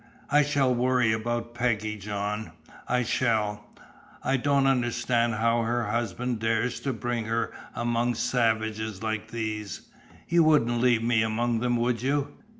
"I shall worry about Peggy, John. I shall. I don't understand how her husband dares to bring her among savages like these. You wouldn't leave me among them, would you?"